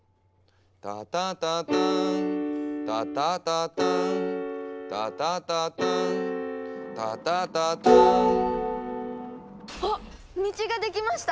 「タタタターン」「タタタターン」「タタタターン」「タタタターン」あっ道ができました！